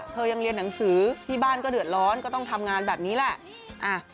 ยังเรียนหนังสือที่บ้านก็เดือดร้อนก็ต้องทำงานแบบนี้แหละ